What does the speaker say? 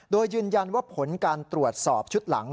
โดยยืนยันว่าผลการตรวจสอบชุดหลัง